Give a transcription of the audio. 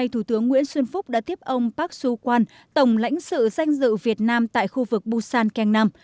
thủ tướng đã tiếp ông park so hwan tổng lãnh sự danh dự việt nam tại khu vực busan kangnam